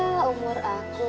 ya umur aku